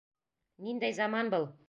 Ниндәй заман был?